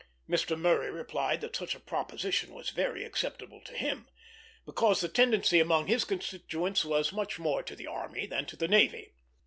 Mr. Murray replied that such a proposition was very acceptable to him, because the tendency among his constituents was much more to the army than to the navy.